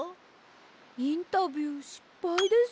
インタビューしっぱいです。